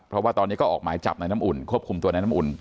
เพราะว่าตอนนี้ก็ออกหมายจับในน้ำอุ่นควบคุมตัวนายน้ำอุ่น